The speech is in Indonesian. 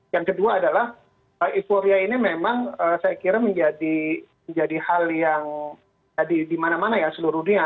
yang kedua adalah euforia ini memang saya kira menjadi hal yang jadi di mana mana ya seluruh dunia